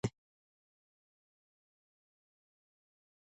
خلفای راشدین د امت د یووالي او د دین د نصرت ستنې دي.